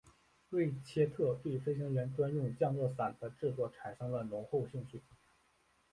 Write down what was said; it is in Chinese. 瑞切特对飞行员专用降落伞的制作产生了浓厚兴趣。